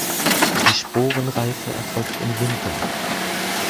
Die Sporenreife erfolgt im Winter.